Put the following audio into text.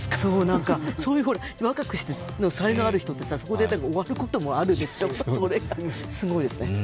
そういう若くして才能ある人って、そこで終わることもあるでしょ、それがすごいですね。